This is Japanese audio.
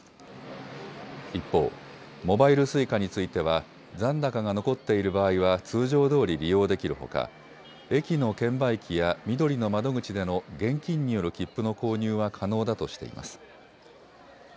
一方、モバイルＳｕｉｃａについては残高が残っている場合は通常どおり利用できるほか駅の券売機やみどりの窓口での現金による切符の購入は可能だとしています。